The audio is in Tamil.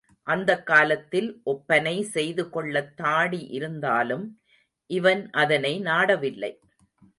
அந்தக் காலத்தில் ஒப்பனை செய்து கொள்ளத் தாடி இருந்தாலும் இவன் அதனை நாடவில்லை.